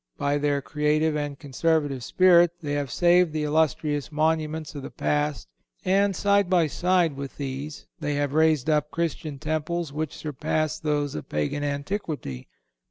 By their creative and conservative spirit they have saved the illustrious monuments of the past, and, side by side with these, they have raised up Christian temples which surpass those of Pagan antiquity.